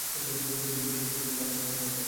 পেছনের দিকে একটা পরিত্যক্ত আঙ্গুরের খামার আছে।